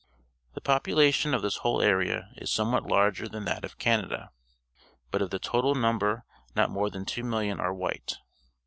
The population of tliis whole area is some what larger than that of Canada, but of the total number not more than two millions are white.